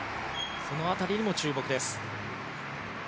その辺りにも注目です。